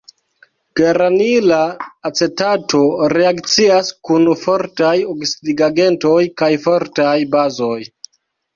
Geranila acetato reakcias kun fortaj oksidigagentoj kaj fortaj bazoj.